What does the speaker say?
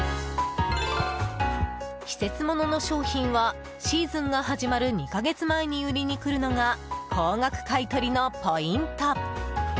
季節物の商品はシーズンが始まる２か月前に売りに来るのが高額買い取りのポイント。